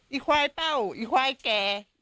ไอ้ควายเป้าไอ้ควายแก่